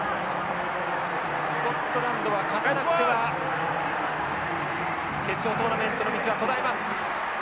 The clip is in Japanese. スコットランドは勝たなくては決勝トーナメントの道は途絶えます。